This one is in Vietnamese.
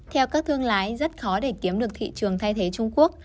theo các thương lái rất khó để kiếm được thị trường thay thế trung quốc